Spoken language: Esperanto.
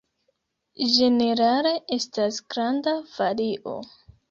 Ĝenerale estas granda vario.